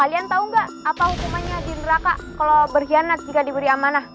iya kak kalau berkhianat jika diberi amanah